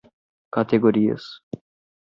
categorias